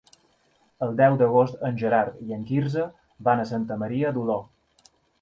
El deu d'agost en Gerard i en Quirze van a Santa Maria d'Oló.